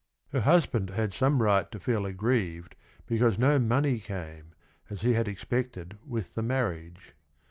Her husband had some right to feel aggrieved be cause no money came, as he had expected, with th e marriag e.